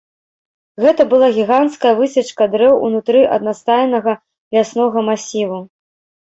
Гэта была гіганцкая высечка дрэў ўнутры аднастайнага ляснога масіву.